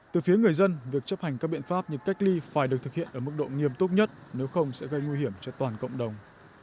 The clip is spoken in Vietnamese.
từ phía người dân việc chấp hành các biện pháp như cách ly phải được thực hiện ở mức độ nghiêm túc nhất nếu không sẽ gây nguy hiểm cho toàn cộng đồng